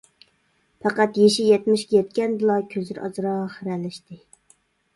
پەقەت يېشى يەتمىشكە يەتكەندىلا كۆزلىرى ئازراق خىرەلەشتى.